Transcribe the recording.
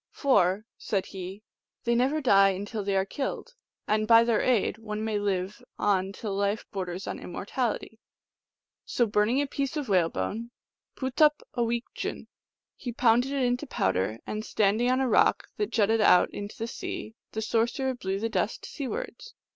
" For," said he, " they never die till they are killed, and by their aid one may live on till life borders on immortality." So burning a piece of whale bone (pootup awicjun), he pounded it to powder, and, standing on a rock that jutted out into the sea, the sorcerer blew the dust seawards.